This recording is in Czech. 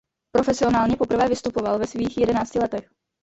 Profesionálně poprvé vystupoval ve svých jedenácti letech.